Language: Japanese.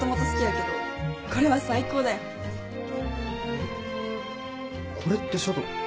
えっこれって書道？